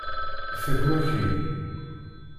Fakk waki!